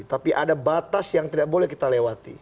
tapi ada batas yang tidak boleh kita lewati